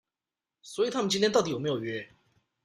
所以他們今天到底有沒有約